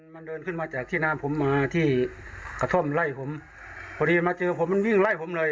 มันเดินขึ้นมาจากที่น้ำผมมาที่กระท่อมไล่ผมพอดีมาเจอผมมันวิ่งไล่ผมเลย